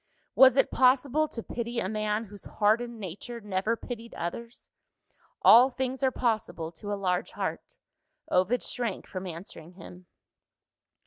Was it possible to pity a man whose hardened nature never pitied others? All things are possible to a large heart. Ovid shrank from answering him.